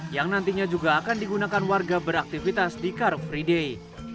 yang nantinya juga akan digunakan warga beraktivitas di car free day